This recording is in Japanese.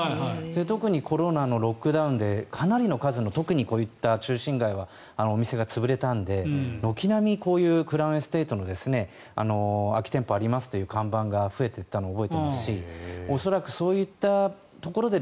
特にコロナのロックダウンでかなりの数の特にこういった中心街はお店が潰れたので軒並みこういうクラウンエステートの空き店舗ありますという看板が増えていったのを覚えていますしそういったところで